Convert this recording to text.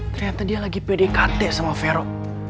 ternyata dia lagi pdkt sama vero